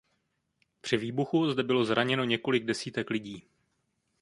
Při výbuchu zde bylo zraněno několik desítek lidí.